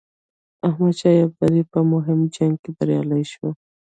احمدشاه ابدالي په مهم جنګ کې بریالی شو.